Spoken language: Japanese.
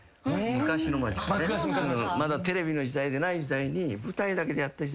まだテレビの時代でない時代に。